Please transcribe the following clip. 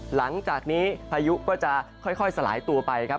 หลังจากนี้พายุก็จะค่อยสลายตัวไปครับ